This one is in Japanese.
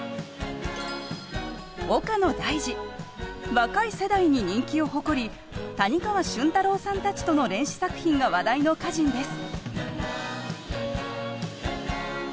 若い世代に人気を誇り谷川俊太郎さんたちとの連詩作品が話題の歌人です。